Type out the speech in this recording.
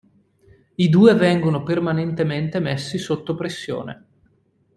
I due vengono permanentemente messi sotto pressione.